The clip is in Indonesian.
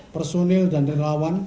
personil dan relawan